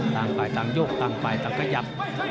ต่างไปต่างโยกต่างไปต่างกระหยับ